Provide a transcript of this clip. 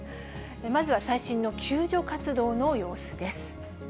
まずは最新の救助活動の様子です。